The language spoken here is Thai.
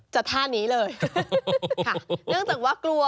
ท่านี้เลยค่ะเนื่องจากว่ากลัว